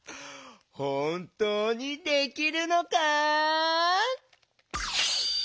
ほんとうにできるのか？